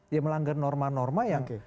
dia melanggar norma norma yang